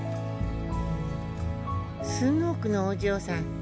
スノークのおじょうさん。